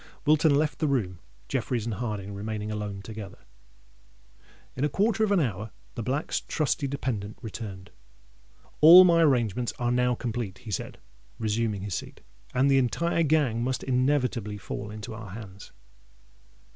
Wilton left the room, Jeffreys and Harding remaining alone together. In a quarter of an hour the Black's trusty dependant returned. "All my arrangements are now complete," he said, resuming his seat; "and the entire gang must inevitably fall into our hands."